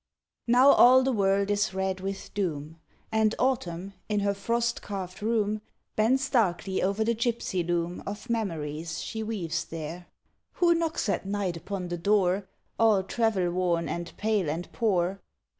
Now all the world is red with doom, And Autumn, in her frost carved room, Bends darkly o'er the gipsy loom Of memories she weaves there; Who knocks at night upon the door, All travel worn and pale and poor?